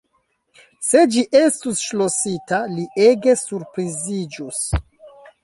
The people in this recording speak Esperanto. Se ĝi estus ŝlosita, li ege surpriziĝus.